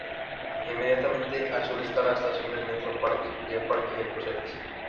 Inmediatamente al sur está la estación de metro Parc y el Parque de Bruselas.